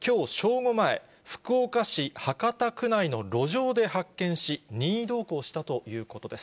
午前、福岡市博多区内の路上で発見し、任意同行したということです。